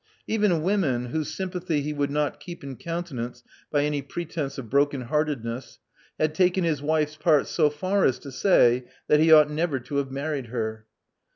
Even women, whose sympathy he would not keep in countenance by any pretence of broken heartedness, had taken his wife's part so far as to say that he ought never to have married her.